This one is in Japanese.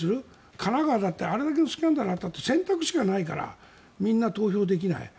神奈川だって、あれだけのスキャンダルがあったって選択肢がないからみんな投票できない。